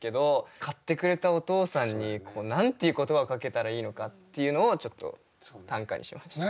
買ってくれたお父さんに何ていう言葉をかけたらいいのかっていうのをちょっと短歌にしました。